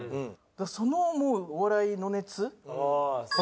そのもうお笑いの熱あ